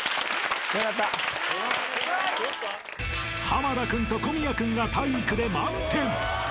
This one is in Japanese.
［濱田君と小宮君が体育で満点］